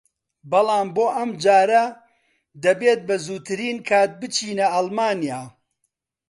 بەڵام بۆ ئەمجارە دەبێت بەزووترین کات بچینە ئەڵمانیا